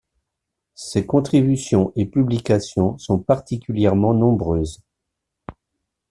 Ses contributions et publications sont particulièrement nombreuses.